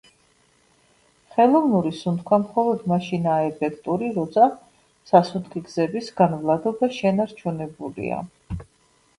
ხელოვნური სუნთქვა მხოლოდ მაშინაა ეფექტური, როცა სასუნთქი გზების განვლადობა შენარჩუნებული.